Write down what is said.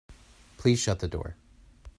Please shut the door.